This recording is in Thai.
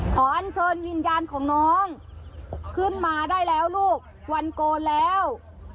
อันเชิญวิญญาณของน้องขึ้นมาได้แล้วลูกวันโกนแล้ว